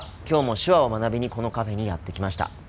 今日も手話を学びにこのカフェにやって来ました。